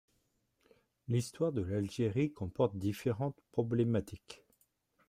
L'Histoire de l'Algérie comporte différentes problématiques.